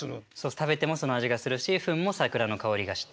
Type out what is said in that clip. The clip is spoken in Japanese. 食べてもその味がするしフンも桜の香りがして。